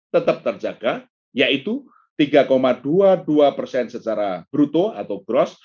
tetap terjaga yaitu tiga dua puluh dua persen secara bruto atau gross